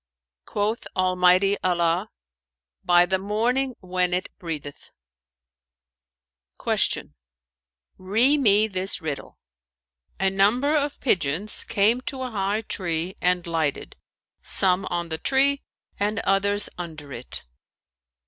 "Quoth Almighty Allah, 'By the morning when it breatheth!'"[FN#437] Q "Ree me this riddle:—A number of pigeons came to a high tree and lighted, some on the tree and others under it.